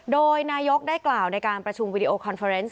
โดยนายกได้กล่าวในการประชุมวิดีโอคอนเฟอร์เนส